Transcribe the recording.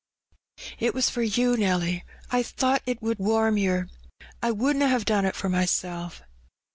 '^It was for you, Nelly, I thought ^t would warm yer. I wouldna *ave done it for myself."